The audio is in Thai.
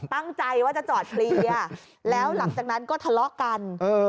ตั้งใจว่าจะจอดเคลียร์แล้วหลังจากนั้นก็ทะเลาะกันเออ